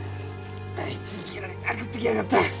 あいついきなり殴ってきやがった。